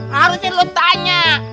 harusnya lu tanya